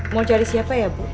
mau cari siapa ya bu